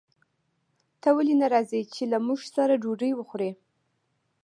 ته ولې نه راځې چې له موږ سره ډوډۍ وخورې